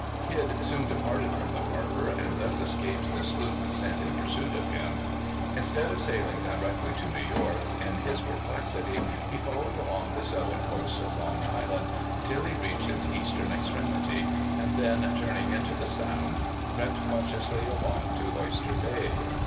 Kidd soon departed from the harbor, and thus escaped the sloop sent in pursuit of him. Instead of sailing directly to New York, in his perplexity he followed along the southern coast of Long Island, until he reached its eastern extremity, and then, turning into the Sound, crept cautiously along to Oyster Bay.